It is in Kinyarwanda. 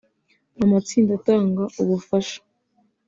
Amatsinda atanga ubufasha